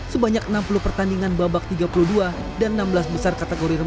sebanyak enam puluh pertandingan babak tiga puluh dua dan enam belas besar kategori